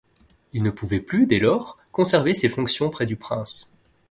Il ne pouvait plus, dès lors, conserver ses fonctions près du prince.